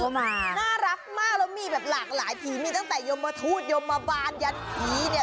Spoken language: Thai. น่ารักมากแล้วมีแบบหลากหลายผีมีตั้งแต่ยมทูตยมมาบานยันผีเนี่ย